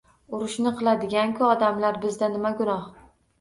Urushni qiladigan-ku odamlar, bizda nima gunoh.